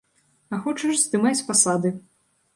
А хочаш, здымай з пасады.